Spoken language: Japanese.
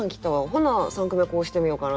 ほな三句目こうしてみようかなとか。